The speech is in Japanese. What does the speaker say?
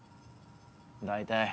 大体。